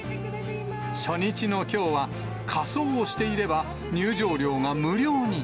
初日のきょうは、仮装をしていれば入場料が無料に。